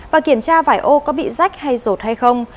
và kiểm tra vải ô có bị rách hay rột hay không